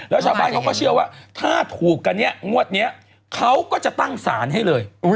แล้วชาวบ้านเขาก็เชื่อว่าถ้าถูกกันเนี่ยงวดนี้เขาก็จะตั้งศาลให้เลย